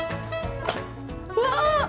うわ！